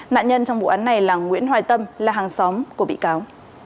nạn nhân trong vụ án này là nguyễn hoài tâm là hàng xóm của bị cáo